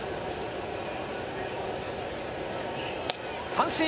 三振！